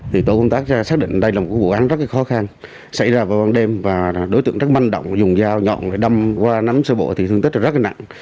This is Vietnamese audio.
thì tổ công tác xác định đây là một vụ án rất khó khăn xảy ra vào ban đêm và đối tượng rất manh động dùng dao nhọn để đâm qua nắm sơ bộ thì thương tích rất là nặng